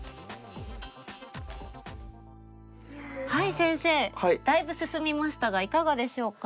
先生だいぶ進みましたがいかがでしょうか？